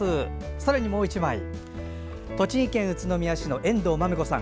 さらに、もう１枚栃木県宇都宮市のえんどうまめこさん。